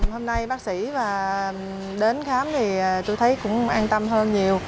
hôm nay bác sĩ và đến khám thì tôi thấy cũng an tâm hơn nhiều